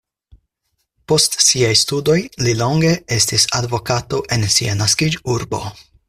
Post siaj studoj li longe estis advokato en sia naskiĝurbo.